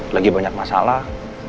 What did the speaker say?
lagi banyak masalah